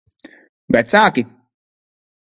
Vecāki?